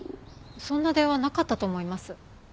そんな電話なかったと思います。